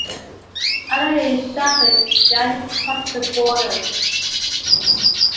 Anna is shot as Gant crosses the border.